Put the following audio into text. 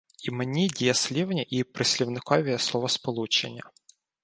Іменні, дієслівні і прислівникові словосполучення